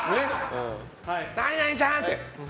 何々ちゃん！って。